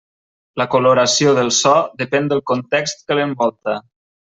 La coloració del so depèn del context que l'envolta.